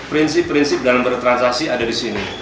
prinsip prinsip dalam bertransaksi ada disini